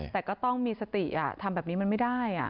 แต่ก็ต้องมีสติทำแบบนี้มันไม่ได้